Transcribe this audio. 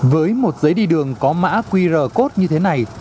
với một giấy đi đường có mã qr code như thế này